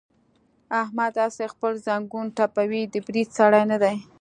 احمد هسې خپل زنګون ټپوي، د برید سړی نه دی.